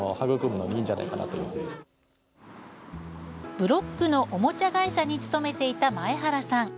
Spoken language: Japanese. ブロックのおもちゃ会社に勤めていた、前原さん。